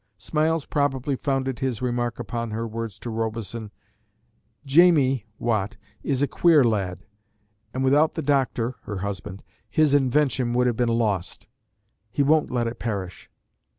Smiles probably founded his remark upon her words to Robison: "Jamie (Watt) is a queer lad, and, without the Doctor (her husband), his invention would have been lost. He won't let it perish."